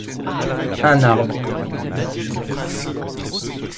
Un arbre, dit-il.